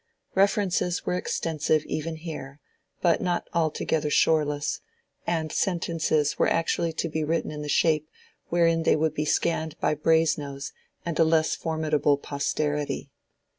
References were extensive even here, but not altogether shoreless; and sentences were actually to be written in the shape wherein they would be scanned by Brasenose and a less formidable posterity.